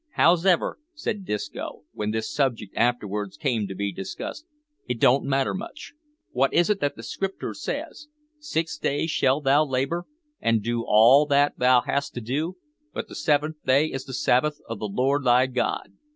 "Hows'ever," said Disco, when this subject afterwards came to be discussed, "it don't matter much. Wot is it that the Scriptur' says, `Six days shalt thou labour an' do all that thou hast to do, but the seventh day is the Sabbath of the Lord thy God.